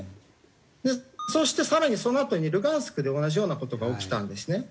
そして更にそのあとにルハンシクで同じような事が起きたんですね。